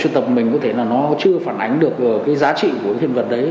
tập mình có thể là nó chưa phản ánh được giá trị của những hình vật đấy